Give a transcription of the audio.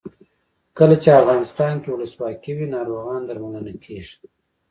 کله چې افغانستان کې ولسواکي وي ناروغان درملنه کیږي.